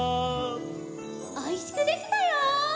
「おいしくできたよー」